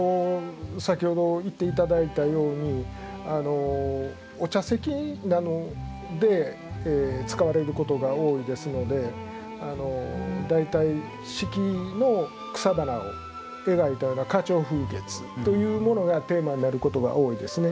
先ほど言って頂いたようにお茶席などで使われることが多いですので大体四季の草花を描いたような花鳥風月というものがテーマになることが多いですね。